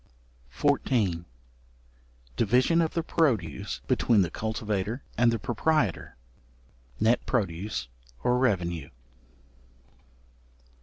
§14. Division of the produce between the cultivator and the proprietor. Net Produce, or revenue.